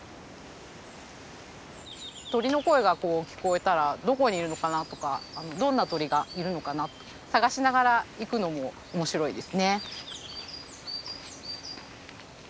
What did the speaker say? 鳥の声が聞こえたらどこにいるのかなとかどんな鳥がいるのかな探しながら行くのも面白いですね。